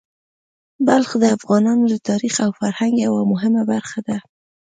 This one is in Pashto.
بلخ د افغانانو د تاریخ او فرهنګ یوه مهمه برخه ده.